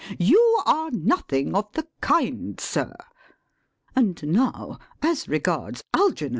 You are nothing of the kind, sir. And now, as regards Algernon! ..